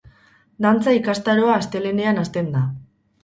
Dantza ikastaroa astelehenean hasten da.